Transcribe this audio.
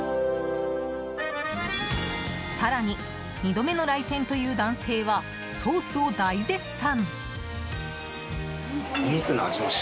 更に２度目の来店という男性はソースを大絶賛。